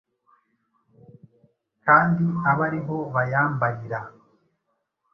kandi abe ari ho bayambarira.